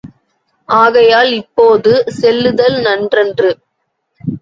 ஆகையால் இப்போது செல்லுதல் நன்றன்று.